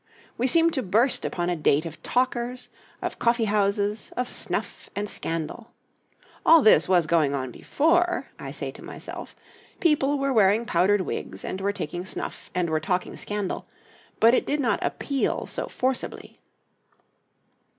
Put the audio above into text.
We seem to burst upon a date of talkers, of coffee houses, of snuff and scandal. All this was going on before, I say to myself people were wearing powdered wigs, and were taking snuff, and were talking scandal, but it did not appeal so forcibly.